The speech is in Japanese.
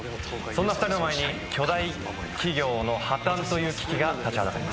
そんな２人の前に巨大企業の破綻という危機が立ちはだかります。